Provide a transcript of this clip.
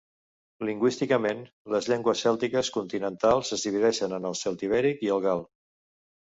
Lingüísticament, les llengües cèltiques continentals es divideixen en el celtibèric i el gal.